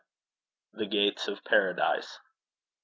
THE GATES OF PARADISE.